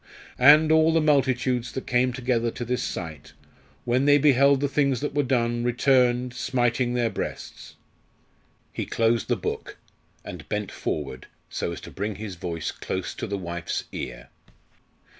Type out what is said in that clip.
"_And all the multitudes that came together to this sight, when they beheld the things that were done, returned, smiting their breasts_." He closed the book, and bent forward, so as to bring his voice close to the wife's ear.